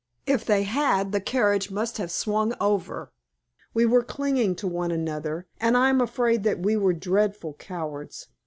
If they had the carriage must have swung over. We were clinging to one another, and I am afraid we were dreadful cowards.